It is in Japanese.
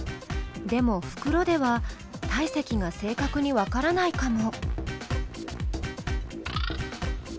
でもふくろでは体積が正確にわからないかも。